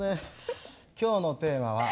今日のテーマは。